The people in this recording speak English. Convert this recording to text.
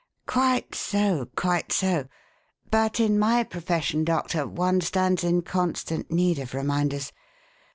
"Quite so, quite so. But in my profession, Doctor, one stands in constant need of 'reminders.'